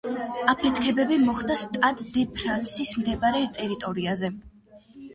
აფეთქებები მოხდა სტად დე ფრანსის მიმდებარე ტერიტორიაზე.